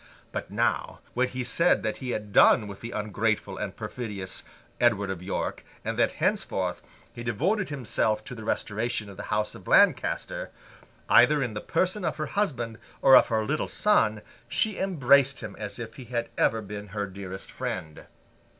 But, now, when he said that he had done with the ungrateful and perfidious Edward of York, and that henceforth he devoted himself to the restoration of the House of Lancaster, either in the person of her husband or of her little son, she embraced him as if he had ever been her dearest friend.